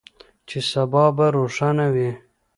چې سبا به روښانه وي.